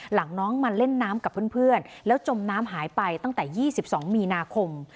หลังน้องมาเล่นน้ำกับเพื่อนเพื่อนแล้วจมน้ำหายไปตั้งแต่ยี่สิบสองมีนาคม